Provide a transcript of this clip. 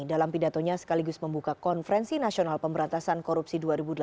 dalam pidatonya sekaligus membuka konferensi nasional pemberantasan korupsi dua ribu delapan belas